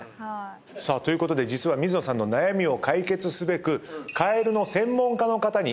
さあということで実は水野さんの悩みを解決すべく。